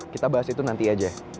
kita bahas itu nanti aja